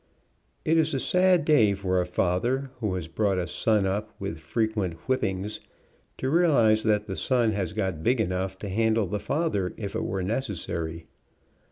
It is a sad day for a father who has brought a son up with frequent whippings, to realize that the son has got big enough to handle the father if it were necessary.